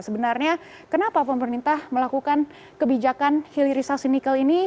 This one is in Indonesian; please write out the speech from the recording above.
nah sebenarnya kenapa pemerintah melakukan kebijakan hidrisasi nikel ini